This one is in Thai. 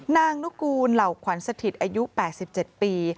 นางนุกูลเหล่าขวัญสถิตอายุ๘๗ปี